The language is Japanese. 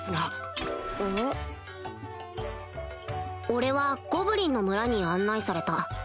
俺はゴブリンの村に案内された